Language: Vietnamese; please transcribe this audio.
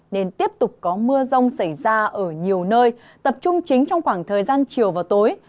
nên tiếp tục có mưa rông xảy ra ở nhiều nơi tập trung chính trong khoảng thời gian chiều và tối